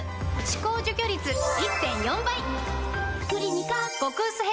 歯垢除去率 １．４ 倍！